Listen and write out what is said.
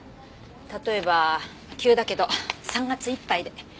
例えば急だけど３月いっぱいで。